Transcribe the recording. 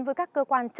xin lỗi chị